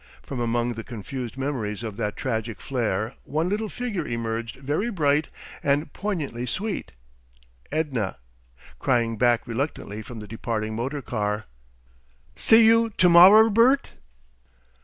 From among the confused memories of that tragic flare one little figure emerged very bright and poignantly sweet, Edna, crying back reluctantly from the departing motor car, "See you to morrer, Bert?"